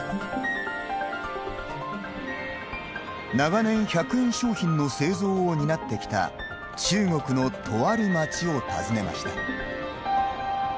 長年、１００円商品の製造を担ってきた中国のとある町を訪ねました。